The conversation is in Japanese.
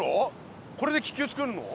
これで気球つくるの？